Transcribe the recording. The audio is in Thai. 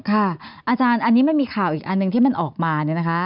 อาจารย์อันนี้มันมีข่าวอีกอันหนึ่งที่มันออกมาเนี่ยนะคะ